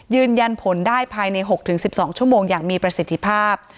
ยืนยันผลได้ภายใน๖๑๒ชั่วโมงอย่างมีประสิทธิภาพ